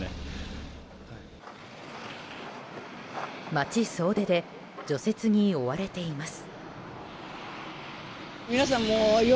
町総出で除雪に追われています。